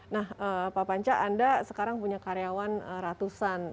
nah pak panca anda sekarang punya karyawan ratusan